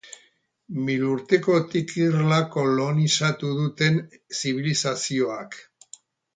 Milurtekotik irla kolonizatu duten zibilizazioak.